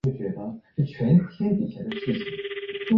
强针网虫为孔盘虫科针网虫属的动物。